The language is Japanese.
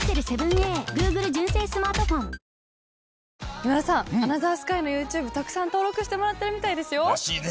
今田さん『アナザースカイ』のＹｏｕＴｕｂｅたくさん登録してもらってるみたいですよ。らしいね。